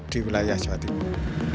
di wilayah jawa timur